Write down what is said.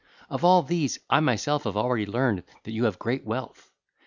Of all these I myself have already learned that you have great wealth.